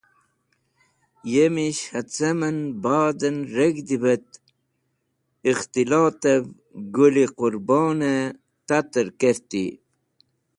Yemish acem en badon reg̃hdi’v et ikhtilotev Gũl-e Qũrbon-e tater kerti.